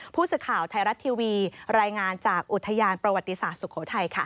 ผู้สื่อข่าวไทยรัฐทีวีรายงานจากอุทยานประวัติศาสตร์สุโขทัยค่ะ